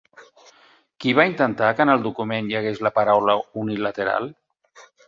Qui va intentar que en el document hi hagués la paraula unilateral?